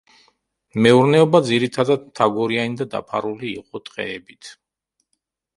მეურნეობა ძირითადად მთაგორიანი და დაფარული იყო ტყეებით.